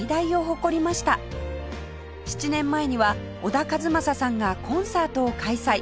７年前には小田和正さんがコンサートを開催